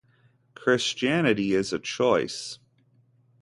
Christianity is a choice.